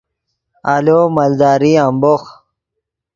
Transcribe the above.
آلو مالداری امبوخ